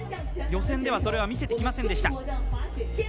予選ではそれは見せてきませんでした。